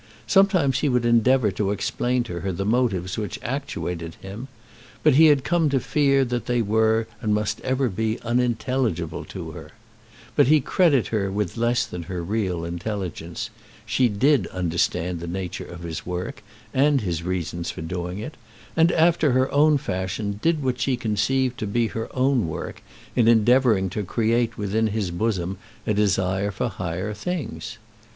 Sometimes he would endeavour to explain to her the motives which actuated him; but he had come to fear that they were and must ever be unintelligible to her. But he credited her with less than her real intelligence. She did understand the nature of his work and his reasons for doing it; and, after her own fashion, did what she conceived to be her own work in endeavouring to create within his bosom a desire for higher things.